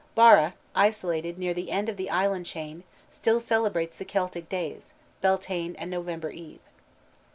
Barra, isolated near the end of the island chain, still celebrates the Celtic days, Beltaine and November Eve.